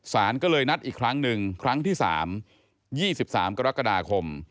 สารก็เลยนัดอีกครั้งหนึ่งครั้งที่๓๒๓กรกฎาคม